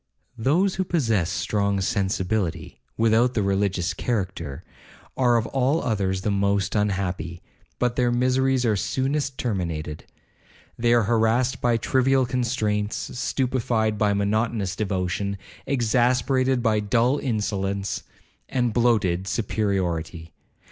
'Those who possess strong sensibility, without the religious character, are of all others the most unhappy, but their miseries are soonest terminated. They are harassed by trivial constraints, stupified by monotonous devotion, exasperated by dull insolence and bloated superiority.